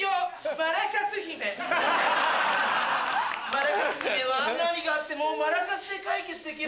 マラカス姫は何があってもマラカスで解決できる。